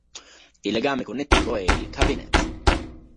Il legame connettivo è il "Cabinet".